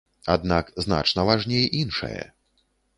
Аднак значна важней іншае.